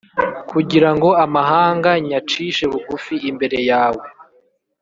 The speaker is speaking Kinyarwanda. kugira ngo amahanga nyacishe bugufi imbere yawe,